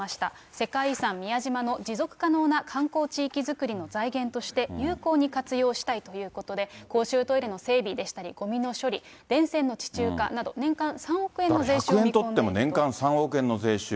世界遺産・宮島の持続可能な観光地域作りの財源として、有効に活用したいということで、公衆トイレの整備でしたり、ごみの処理、電線の地中化など、１００円取っても年間３億円の税収。